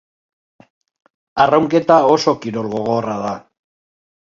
Arraunketa oso kirol gogorra da.